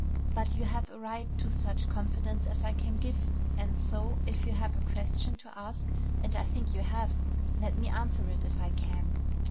But you have a right to such confidence as I can give, and so, if you have a question to ask, and I think you have, let me answer it if I can."